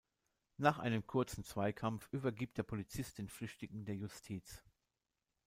Nach einem kurzen Zweikampf übergibt der Polizist den Flüchtigen der Justiz.